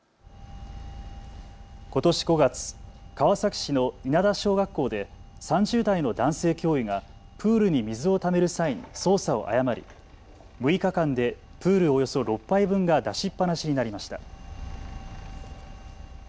ことし５月、川崎市の稲田小学校で３０代の男性教諭がプールに水をためる際に操作を誤り、６日間でプールおよそ６杯分が出しっぱなしになりました。